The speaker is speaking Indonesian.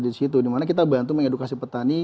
di situ dimana kita bantu mengedukasi petani